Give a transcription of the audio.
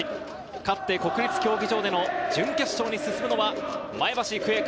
勝って、国立競技場への準決勝に進むのは前橋育英か？